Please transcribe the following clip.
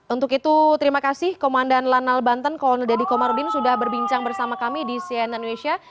untuk itu terima kasih komandan lanal banten kom dedy komarudin sudah berbincang bersama kami di cnn indonesia